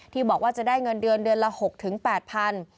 บอกว่าจะได้เงินเดือนเดือนละ๖๘๐๐บาท